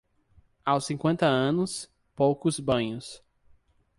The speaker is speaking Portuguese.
Aos cinquenta anos, poucos banhos.